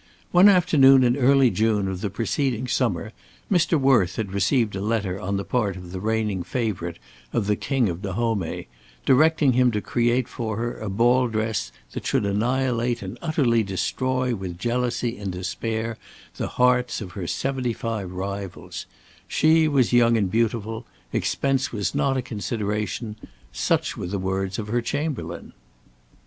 One afternoon in early June of the preceding summer, Mr. Worth had received a letter on the part of the reigning favourite of the King of Dahomey, directing him to create for her a ball dress that should annihilate and utterly destroy with jealousy and despair the hearts of her seventy five rivals; she was young and beautiful; expense was not a consideration. Such were the words of her chamberlain.